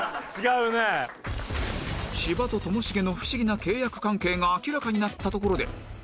芝とともしげの不思議な契約関係が明らかになったところで